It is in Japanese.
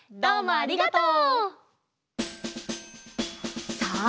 ありがとう！